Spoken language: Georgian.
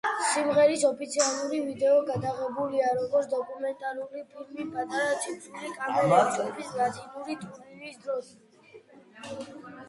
სიმღერის ოფიციალური ვიდეო გადაღებულია როგორც დოკუმენტური ფილმი, პატარა ციფრული კამერით ჯგუფის ლათინოამერიკული ტურნეს დროს.